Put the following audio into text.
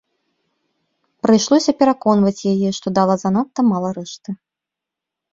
Прыйшлося пераконваць яе, што дала занадта мала рэшты.